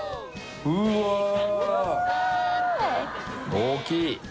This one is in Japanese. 大きい！